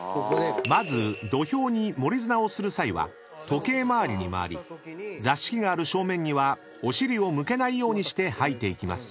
［まず土俵に盛り砂をする際は時計回りに回り座敷がある正面にはお尻を向けないようにして掃いていきます］